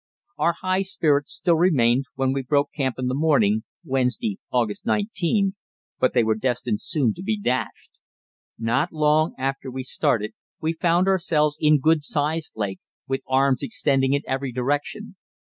Our high spirits still remained when we broke camp in the morning (Wednesday, August 19), but they were destined soon to be dashed. Not long after we started we found ourselves in good sized lakes, with arms extending in every direction.